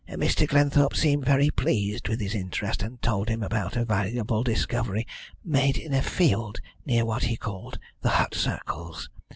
Mr. Glenthorpe seemed very pleased with his interest, and told him about a valuable discovery made in a field near what he called the hut circles.